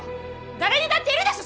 誰にだっているでしょ